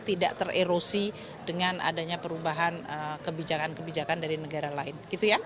tidak tererosi dengan adanya perubahan kebijakan kebijakan dari negara lain